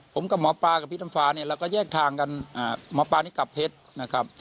ผมกับหมอปลากับพี่น้ำฟ้าเนี่ยเราก็แยกทางกันหมอปลานี่กลับเพชรนะครับ